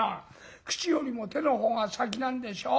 口よりも手のほうが先なんでしょ？